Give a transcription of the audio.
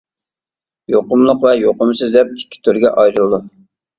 يۇقۇملۇق ۋە يۇقۇمسىز دەپ ئىككى تۈرگە ئايرىلىدۇ.